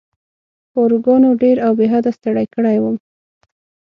پاروګانو ډېر او بې حده ستړی کړی وم.